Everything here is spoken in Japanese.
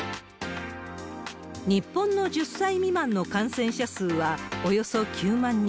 日本の１０歳未満の感染者数はおよそ９万人。